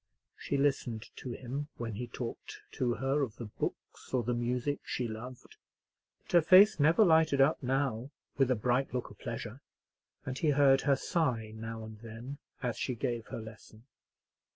She listened to him when he talked to her of the books or the music she loved; but her face never lighted up now with a bright look of pleasure; and he heard her sigh now and then as she gave her lesson.